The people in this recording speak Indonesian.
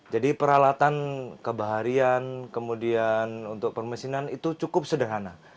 jadi peralatan kebaharian kemudian untuk permesinan itu cukup sederhana